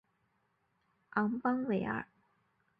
昂邦维尔。